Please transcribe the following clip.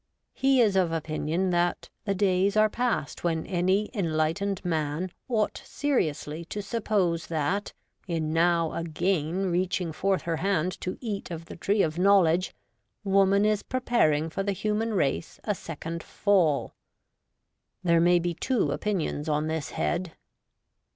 He is of opinion that ' the days are past when any enlightened man ought seriously to suppose that, in now again reaching forth her hand to eat of the tree of knowledge, woman is preparing for the human race a second Fall.' There may be two opinions on this head.